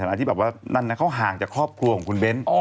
ที่แบบว่านั่นนะเขาห่างจากครอบครัวของคุณเบ้น